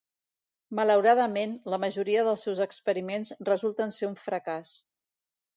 Malauradament, la majoria dels seus experiments resulten ser un fracàs.